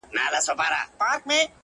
• "د مثقال د ښو جزا ورکول کېږي,